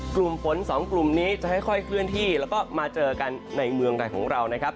กลุ่มฝนสองกลุ่มนี้จะค่อยเคลื่อนที่แล้วก็มาเจอกันในเมืองไทยของเรานะครับ